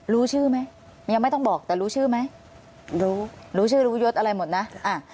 รู้ชื่อไหมยังไม่ต้องบอกแต่รู้ชื่อไหมรู้รู้ชื่อรู้ยศอะไรหมดนะอ่า